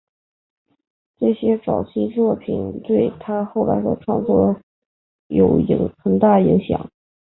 这些早期作品对他后来的创作有很大影响。